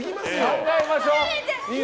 考えましょう。